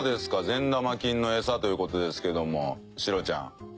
善玉菌のエサという事ですけどもシロちゃん。